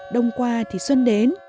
đông qua thì xuân đến